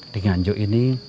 di nganjuk ini